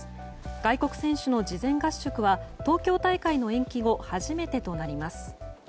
外国選手の事前合宿は東京大会の延期後初めてとなります。